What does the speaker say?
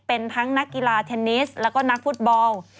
เป็นทั้งนักกีฬาเทนนิสแล้วก็นักฟุตบอล